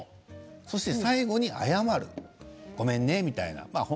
そして最後に謝る、ごめんねって。